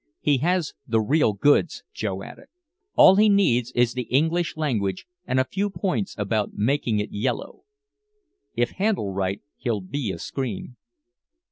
He has the real goods," Joe added. "All he needs is the English language and a few points about making it yellow. If handled right he'll be a scream."